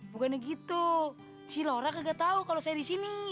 bukannya gitu si laura nggak tahu kalau saya di sini